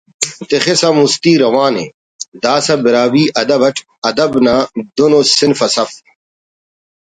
تخسا مُستی روان ءِ داسہ براہوئی ادب اٹ ادب نا دن ءُ صنف اس اف